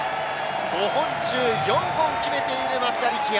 ５本中４本決めている松田力也。